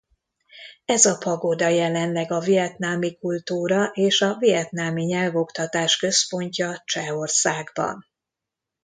Ez a pagoda jelenleg a vietnámi kultúra és a vietnámi nyelvoktatás központja Csehországban.